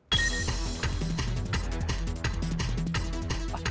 あっ！